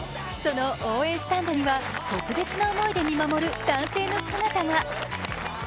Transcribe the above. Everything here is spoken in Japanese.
その応援スタンドには特別な思いで見守る男性の姿が。